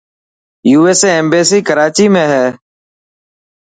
USA ايمبيسي ڪراچي ۾ هي .